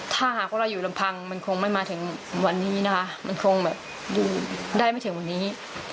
ถ้าหากว่าเราอยู่ลำพังมันคงไม่มาถึงวันนี้นะคะมันคงแบบอยู่ได้ไม่ถึงวันนี้